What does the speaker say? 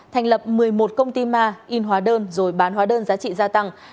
thành lập một mươi một công ty ma in hóa đơn rồi bán hóa đơn giá trị gia tăng